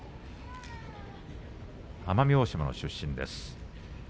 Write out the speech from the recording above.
奄美大島の出身です。